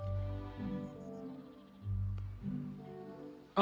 あ。